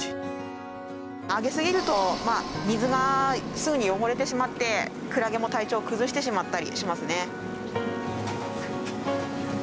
あげすぎると水がすぐに汚れてしまってクラゲも体調を崩してしまったりしますね。